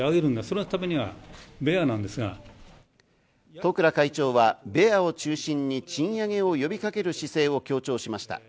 十倉会長はベアを中心に賃上げを呼びかける姿勢を強調しました。